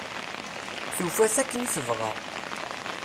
Tufa-t akken i tebɣa.